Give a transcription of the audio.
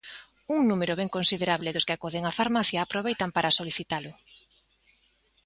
Un número ben considerable dos que acoden á farmacia aproveitan para solicitalo.